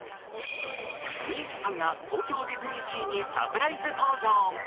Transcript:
ＭＩＳＩＡさんが東京ディズニーシーにサプライズ登場。